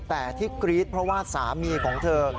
แต่ที่กรี๊ดเพราะว่าสามีของเธอ